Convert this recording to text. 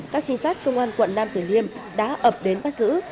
các trinh sát công an quận nam tử liêm đã ập đến bắt giữ